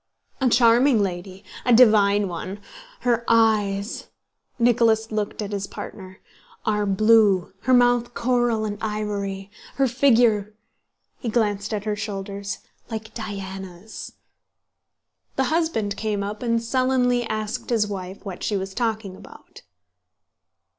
"A charming lady, a divine one. Her eyes" (Nicholas looked at his partner) "are blue, her mouth coral and ivory; her figure" (he glanced at her shoulders) "like Diana's...." The husband came up and sullenly asked his wife what she was talking about.